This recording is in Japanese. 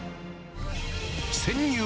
潜入！